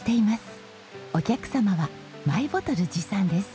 お客様はマイボトル持参です。